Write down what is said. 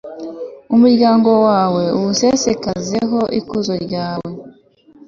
umuryango wawe uwusesekazeho ikuzo ryawe